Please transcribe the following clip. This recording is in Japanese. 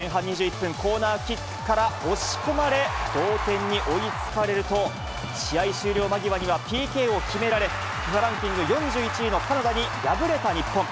しかし、前半２１分、コーナーキックから押し込まれ、同店に追いつかれると、試合終了間際にはＰＫを決められ、ＦＩＦＡランキング４１位のカナダに敗れた日本。